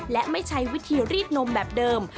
และไม่ใช้วิธีรีดนมแบบเดิม